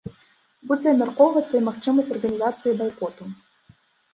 Будзе абмяркоўвацца і магчымасць арганізацыі байкоту.